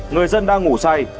người dân đang ngủ say